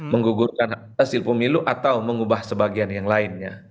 menggugurkan hasil pemilu atau mengubah sebagian yang lainnya